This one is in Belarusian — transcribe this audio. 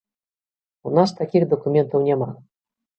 У нас такіх дакументаў няма.